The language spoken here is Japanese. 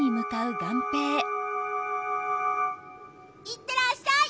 いってらっしゃい